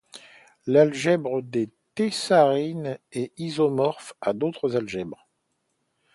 L’algèbre des tessarines est isomorphe à d’autres algèbres.